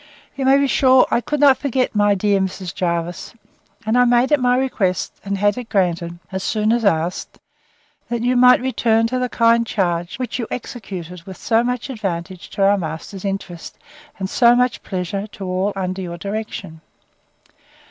You may be sure I could not forget my dear Mrs. Jervis; and I made it my request, and had it granted, as soon as asked, that you might return to the kind charge, which you executed with so much advantage to our master's interest, and so much pleasure to all under your direction.